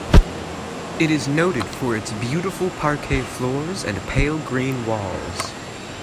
It is noted for its beautiful parquet floors and pale green walls.